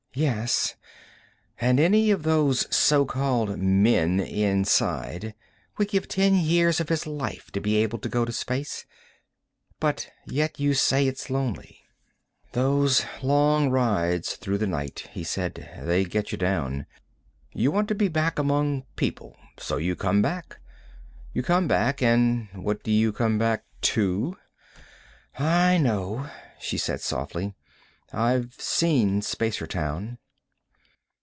"Yes. And any of those so called men inside would give ten years of his life to be able to go to space. But yet you say it's lonely." "Those long rides through the night," he said. "They get you down. You want to be back among people. So you come back. You come back. And what do you come back to?" "I know," she said softly. "I've seen Spacertown."